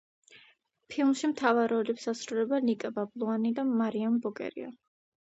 ფილმში მთავარ როლებს ასრულებენ ლიკა ბაბლუანი და მარიამ ბოკერია.